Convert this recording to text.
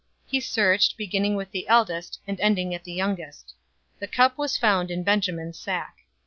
044:012 He searched, beginning with the eldest, and ending at the youngest. The cup was found in Benjamin's sack.